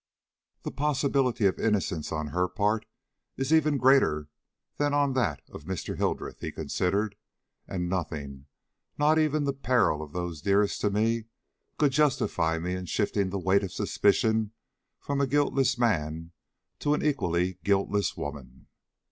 "The possibility of innocence on her part is even greater than on that of Mr. Hildreth," he considered, "and nothing, not even the peril of those dearest to me, could justify me in shifting the weight of suspicion from a guiltless man to an equally guiltless woman."